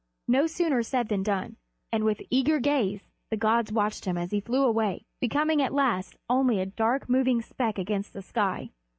No sooner said than done; and with eager gaze the gods watched him as he flew away, becoming at last only a dark moving speck against the sky.